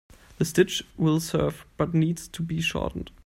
The stitch will serve but needs to be shortened.